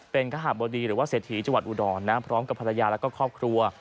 เป็นคหะบดีหรือว่าเศรษฐีจังหวัดอุดรพร้อมกับภรรยาแล้วก็ครอบครัว